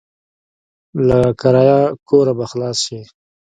له کرايه کوره به خلاص شې.